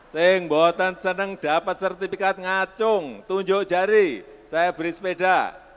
seneng buatan seneng dapat sertifikat ngacung tunjuk jari saya beri sepeda